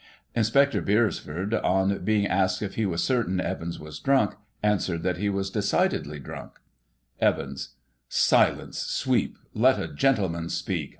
Inspector Beresford, on being asked if he was certain Evans was drunk, answered that he was decidedly drunk. Evans : Silence, sweep, let a gentleman speak.